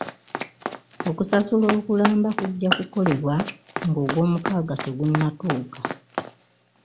Okusasula okulamba kujja kukolebwa nga ogwomukaaga tegunnatuuka.